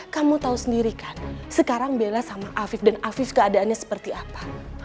kamu tahu sendiri kan sekarang bela sama afif dan afif keadaannya seperti apa